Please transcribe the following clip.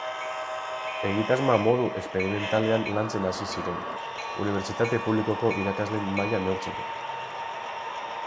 Egitasmoa modu esperimentalean lantzen hasi ziren, unibertsitate publikoko irakasleen maila neurtzeko.